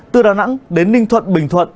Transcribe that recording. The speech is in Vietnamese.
từ đà nẵng đến ninh thuận bình thuận